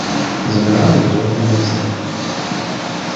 Zemreɣ ad gzuɣ tamaziɣt.